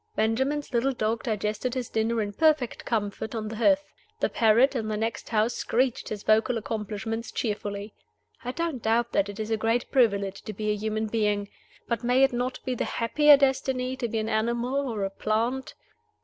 Benjamin's little dog digested his dinner in perfect comfort on the hearth. The parrot in the next house screeched his vocal accomplishments cheerfully. I don't doubt that it is a great privilege to be a human being. But may it not be the happier destiny to be an animal or a plant?